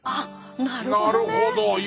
なるほどね！